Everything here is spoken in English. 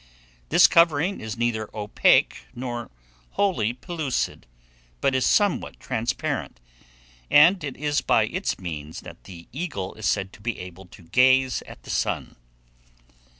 This covering is neither opaque nor wholly pellucid, but is somewhat transparent; and it is by its means that the eagle is said to be able to gaze at the sun.